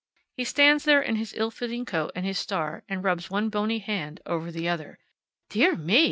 He stands there in his ill fitting coat, and his star, and rubs one bony hand over the other. "Dear me!"